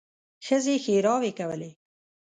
ښځې ښېراوې کولې.